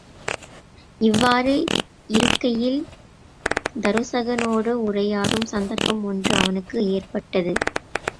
இவ்வாறு இருக்கையில் தருசகனோடு உரையாடும் சந்தர்ப்பம் ஒன்று அவனுக்கு ஏற்பட்டது.